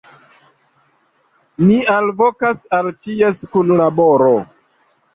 Ni alvokas al ĉies kunlaboro.